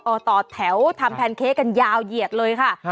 ต่อแถวทำแพนเค้กกันยาวเหยียดเลยค่ะ